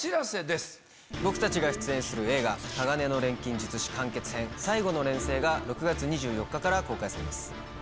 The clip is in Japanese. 僕たちが出演する映画『鋼の錬金術師完結編最後の錬成』が６月２４日から公開されます。